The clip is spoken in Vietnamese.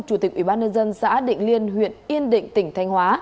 chủ tịch ubnd xã định liên huyện yên định tỉnh thanh hóa